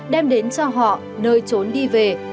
đem đến cho họ nơi trốn đi về